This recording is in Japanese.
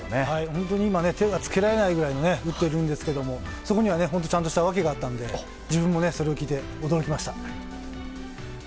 本当に今手が付けられないぐらい打ってるんですがそこにはちゃんとした訳があったので自分もそれを聞いて驚きました。